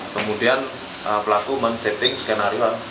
kemudian pelaku men setting skenario